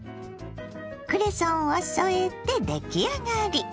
クレソンを添えて出来上がり。